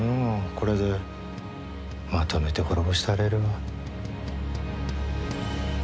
これでまとめて滅ぼしたれるわ。